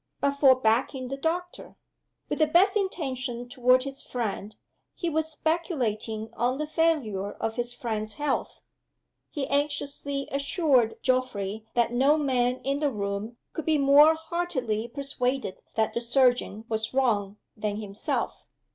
but for "backing the doctor." With the best intention toward his friend, he was speculating on the failure of his friend's health. He anxiously assured Geoffrey that no man in the room could be more heartily persuaded that the surgeon was wrong than himself.